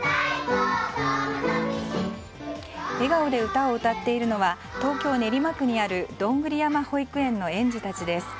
笑顔で歌を歌っているのは東京・練馬区にあるどんぐり山保育園の園児たちです。